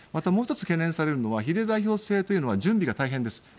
もう１つ懸念されるのは比例代表制というのは準備が大変です。